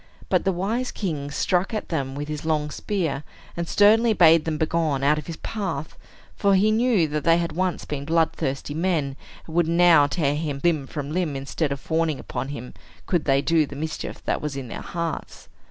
But the wise king struck at them with his long spear, and sternly bade them begone out of his path; for he knew that they had once been bloodthirsty men, and would now tear him limb from limb, instead of fawning upon him, could they do the mischief that was in their hearts.